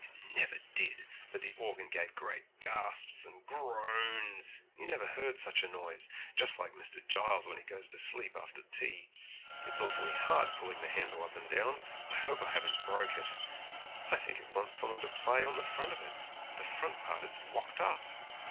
It never did, but the organ gave great gasps and groans; you never heard such a noise, just like Mr. Giles when he goes to sleep after tea! It's awfully hard work pulling the handle up and down; I hope I haven't broke it. I think it wants some one to play on the front of it, but the front part is locked up.